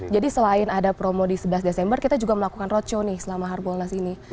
jadi selain ada promo di sebelas desember kita juga melakukan roco nih selama harbolnas ini